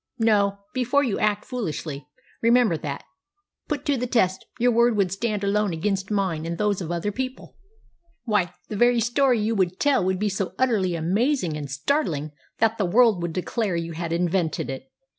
"No. Before you act foolishly, remember that, put to the test, your word would stand alone against mine and those of other people. "Why, the very story you would tell would be so utterly amazing and startling that the world would declare you had invented it.